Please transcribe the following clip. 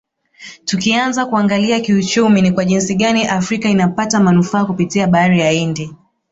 Tukianza kuangalia kiuchumi ni kwa jinsi gani afrika inapata manufaa kipitia bahari ya Hindi